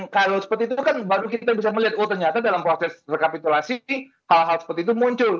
kalau seperti itu kan baru kita bisa melihat oh ternyata dalam proses rekapitulasi hal hal seperti itu muncul